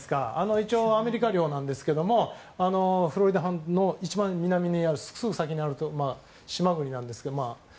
一応、アメリカ領なんですけどフロリダの一番南、すぐ先にある島国なんですけど。